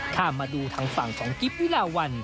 ถ้ามาดูทางฝั่งของกิ๊บวิลาวัน